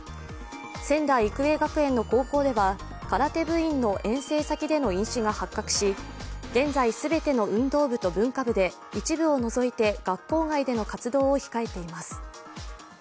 仙台育英学園の高校では空手部員の遠征先での飲酒が発覚し、現在全ての運動部と文化部で一部を除いて学校外での活動を控えています。